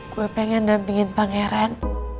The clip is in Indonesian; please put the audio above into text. gio pengen dampingin pangeran